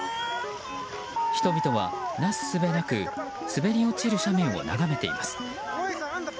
人々はなすすべなく滑り落ちる斜面を眺めています。